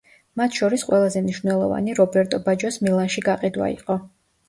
მათ შორის ყველაზე მნიშვნელოვანი რობერტო ბაჯოს მილანში გაყიდვა იყო.